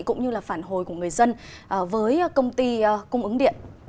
cũng như là phản hồi của người dân với công ty cung ứng điện